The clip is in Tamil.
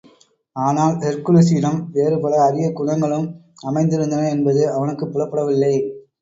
ஆனால், ஹெர்க்குலிஸிடம் வேறு பல அரிய குனங்களும் அமைந்திருந்தன என்பது அவனுக்குப் புலப்படவில்லை.